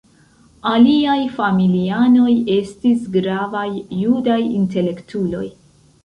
Aliaj familianoj estis gravaj judaj intelektuloj.